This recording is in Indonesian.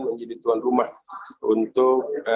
menjadi tuan rumah untuk